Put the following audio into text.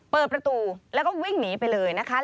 เปิดประตูแล้วก็วิ่งหนีไปเลยนะคะ